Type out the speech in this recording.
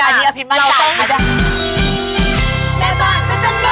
อันนี้ดูตังค์